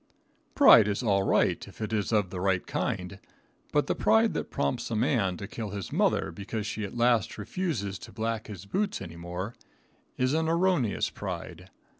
Pride is all right if it is the right kind, but the pride that prompts a man to kill his mother, because she at last refuses to black his boots any more, is an erroneous pride.